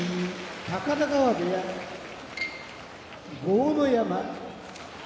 高田川部屋豪ノ山